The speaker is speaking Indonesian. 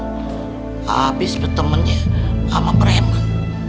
habis bertemannya sama preman